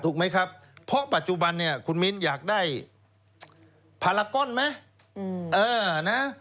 ถูกไหมครับเพราะปัจจุบันเนี่ยคุณมิ้นอยากได้พารากอนไหม